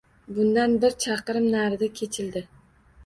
Bundan bir chaqirim naridan kechildi